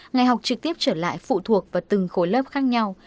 ngày học trực tiếp trở lại phụ thuộc vào từng khối lớp khác nhau